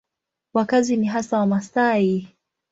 Wakazi ni hasa Wamasai.